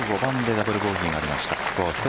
１５番でダブルボギーがありました。